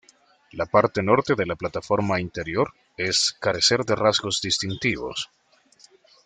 La parte norte de la plataforma interior es carece de rasgos distintivos.